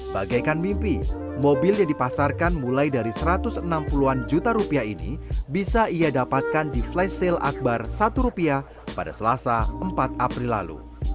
bagaikan mimpi mobil yang dipasarkan mulai dari satu ratus enam puluh an juta rupiah ini bisa ia dapatkan di flash sale akbar rp satu pada selasa empat april lalu